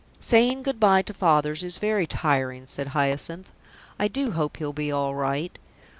"Saying good bye to fathers is very tiring," said Hyacinth. "I do hope he'll be all right.